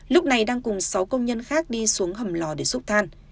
lúc này đang cùng sáu công nhân khác đi xuống hầm lò để giúp than